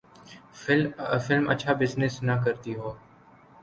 Film اچھا business نہ کرتی ہو۔